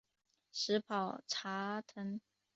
石宝茶藤